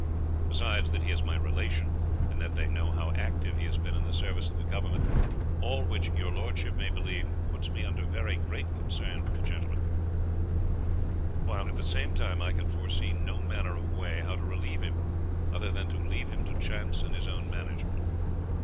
Besides, that he is my relation, and that they know how active he has been in the service of the Government all which, your Lordship may believe, puts me under very great concern for the gentleman, while, at the same time, I can foresee no manner of way how to relieve him, other than to leave him to chance and his own management.